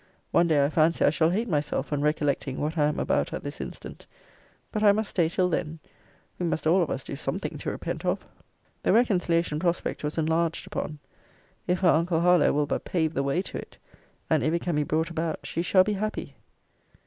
One day, I fancy, I shall hate myself on recollecting what I am about at this instant. But I must stay till then. We must all of us do something to repent of. The reconciliation prospect was enlarged upon. If her uncle Harlowe will but pave the way to it, and if it can be brought about, she shall be happy.